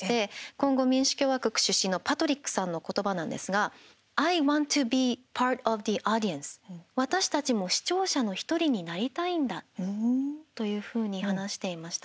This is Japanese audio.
コンゴ民主共和国出身のパトリックさんの言葉なんですが私たちも視聴者の１人になりたいんだというふうに話していました。